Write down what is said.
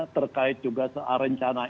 terkait juga rencana